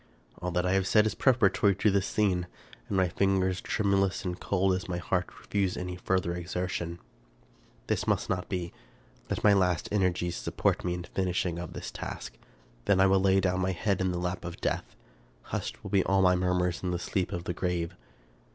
All that I have said is preparatory to this scene, and my fingers, tremulous and cold as my heart, refuse any further exertion. This must not be. Let my last energies support me in the finishing of this task. Then will I lay down my head in the lap of death. Hushed will be all my murmurs in the sleep of the grave.